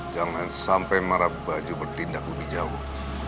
jangan sampai mara bacu bertindak lebih jauh